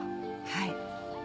はい。